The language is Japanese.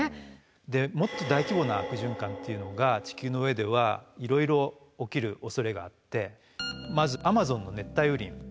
でもっと大規模な悪循環っていうのが地球の上ではいろいろ起きるおそれがあってまずアマゾンの熱帯雨林。